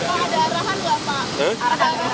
ada arahan apa pak